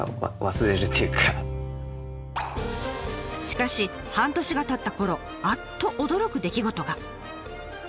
しかし半年がたったころあっと驚く出来事が。